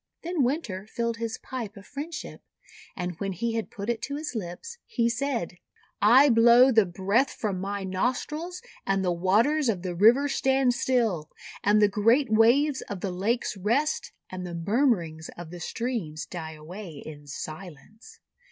Then Winter filled his pipe of friendship, and when he had put it to his lips, he said: — "I blow the breath from my nostrils and the waters of the rivers stand still, and the great waves of the lakes rest, and the murmurings of the streams die away in silence."